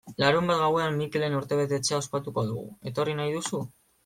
Larunbat gauean Mikelen urtebetetzea ospatuko dugu, etorri nahi duzu?